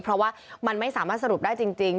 เพราะว่ามันไม่สามารถสรุปได้จริง